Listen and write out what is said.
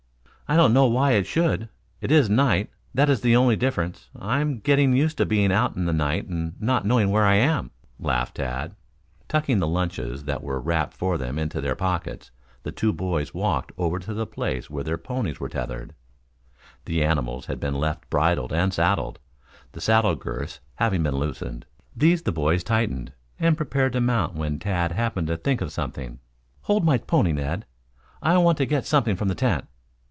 "I don't know why it should. It is night, that is the only difference. I am getting used to being out in the night and not knowing where I am," laughed Tad. Tucking the lunches that had been wrapped for them into their pockets, the two boys walked over to the place where their ponies were tethered. The animals had been left bridled and saddled, the saddle girths having been loosened. These the boys tightened and prepared to mount when Tad happened to think of something. "Hold my pony, Ned. I want to get something from the tent."